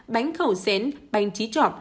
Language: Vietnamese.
bánh khẩu xén bánh trí trọt